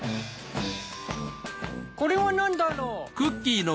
これは何だろう？